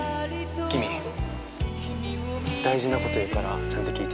キミ大事なこと言うからちゃんと聞いて。